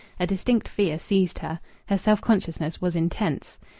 A distinct fear seized her. Her self consciousness was intense.